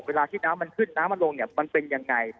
เวลาที่น้ำมันขึ้นน้ำมันลงมันเป็นอย่างไร